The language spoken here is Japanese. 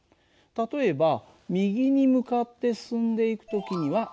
例えば右に向かって進んでいく時には正。